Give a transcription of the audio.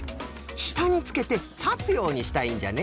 したにつけてたつようにしたいんじゃね。